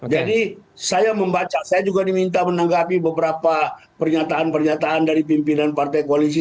saya membaca saya juga diminta menanggapi beberapa pernyataan pernyataan dari pimpinan partai koalisi